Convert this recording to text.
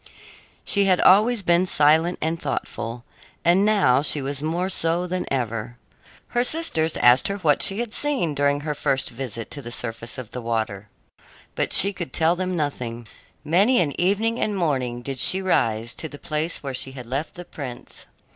She had always been silent and thoughtful, and now she was more so than ever. Her sisters asked her what she had seen during her first visit to the surface of the water, but she could tell them nothing. Many an evening and morning did she rise to the place where she had left the prince.